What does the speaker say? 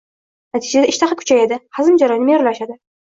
Natijada ishtaha kuchayadi, hazm jarayoni me’yorlashadi.